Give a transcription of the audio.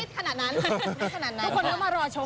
มันมิดขนาดนั้น